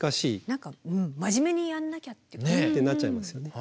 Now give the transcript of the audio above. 何か真面目にやんなきゃって。ってなっちゃいますよね。